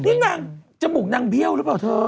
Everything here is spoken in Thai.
นี่นางจมูกนางเบี้ยวหรือเปล่าเธอ